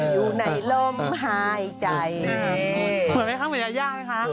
อยู่ในร่มหายใจเปิดไหมครับเมยาย่า